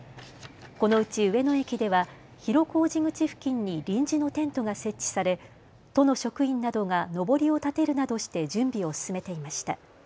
このうち上野駅では広小路口付近に臨時のテントが設置され都の職員などがのぼりを立てるなどして準備を進めていました。